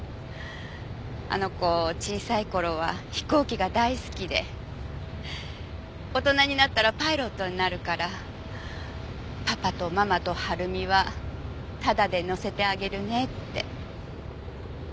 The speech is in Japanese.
あの子小さい頃は飛行機が大好きで大人になったらパイロットになるからパパとママと晴美はタダで乗せてあげるねって。